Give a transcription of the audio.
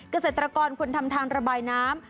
เกษตรกรควรทำทางระบายน้ำ